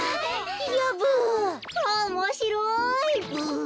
おもしろいブ。